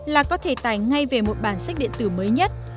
là có thể tải ngay về một bản sách điện tử mới nhất